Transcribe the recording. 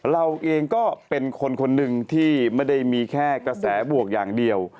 เราเองก็เป็นคนคนหนึ่งที่ไม่ได้มีแค่กระแสบวกอย่างเดียว